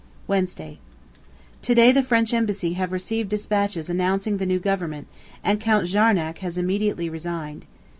Wednesday. To day the French Embassy have received despatches announcing the new government, and Count Jarnac has immediately resigned.